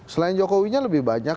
selain jokowi lebih banyak